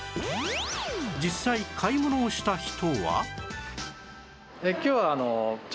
実際買い物をした人は